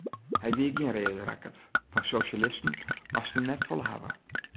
Hy wie gjin reade rakkert, fan sosjalisten moast er net folle hawwe.